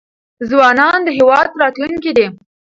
ځوانان د هیواد راتلونکی دی.